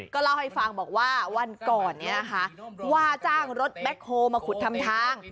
ก็เล่าให้ฟังบอกว่าวันก่อนนี้นะคะว่าจ้างรถแบ็คโฮลมาขุดทำทาง